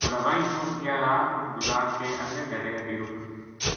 بڑاوائی پوہچ گیا رات اُت گزار کے اگلے دھیاڑے ڈیرو پَٹیو